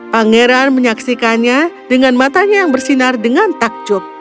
pangeran menyaksikannya dengan matanya yang bersinar dengan takjub